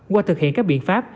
qua thực hiện các biện pháp